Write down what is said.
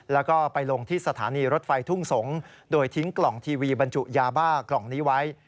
แล้วก็ไปลงที่สถานีรถไฟทุ่งสงศ์โดยทิ้งกล่องทีวีบรรจุยาบ้ากล่องนี้ไว้